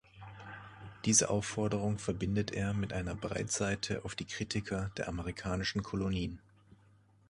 Diese Aufforderung verbindet er mit einer Breitseite auf die Kritiker der amerikanischen Kolonien.